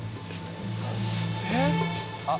「えっ？